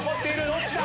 どっちだ